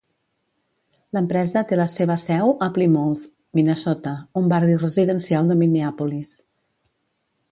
L'empresa té la seva seu a Plymouth, Minnesota, un barri residencial de Minneapolis.